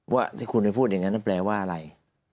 ว่าที่คุณไปพูดอย่างนั้นแปลว่าอะไร